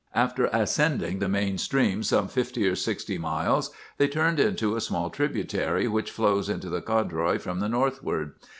"After ascending the main stream some fifty or sixty miles, they turned into a small tributary which flows into the Codroy from the northward.